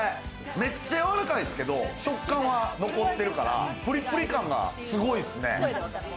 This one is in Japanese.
めっちゃやわらかいですけど、食感は残ってるから、プリプリ感がすごいっすね。